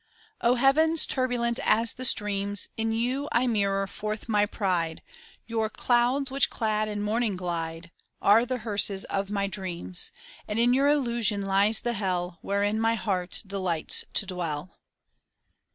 O heavens, turbulent as the streams, In you I mirror forth my pride! Your clouds, which clad in mourning, glide, Are the hearses of my dreams, And in your illusion lies the hell, Wherein my heart delights to dwell.